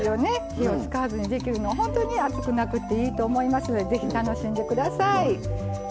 火を使わずにできるのは本当に暑くなくていいと思いますのでぜひ楽しんでください。